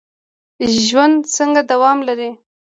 ژوند څنګه دوام لري؟